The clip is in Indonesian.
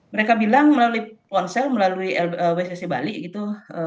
mereka bilang melalui ponsel melalui wcc bali gitu